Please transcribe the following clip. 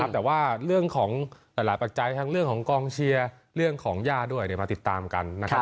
แต่ว่าเรื่องของหลายปัจจัยทั้งเรื่องของกองเชียร์เรื่องของย่าด้วยมาติดตามกันนะครับ